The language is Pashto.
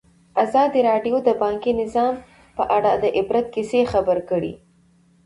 ازادي راډیو د بانکي نظام په اړه د عبرت کیسې خبر کړي.